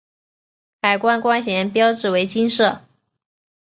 海关关衔标志为金色。